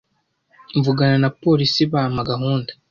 mvugana na polisi bampa gahunda